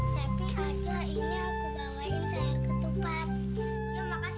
sepi aja ini aku bawain sayur ketupat